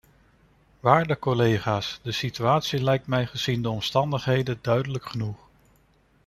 Waarde collega's, de situatie lijkt me gezien de omstandigheden duidelijk genoeg.